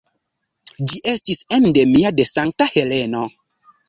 Ĝi estis endemia de Sankta Heleno.